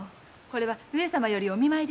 これは上様よりのお見舞い。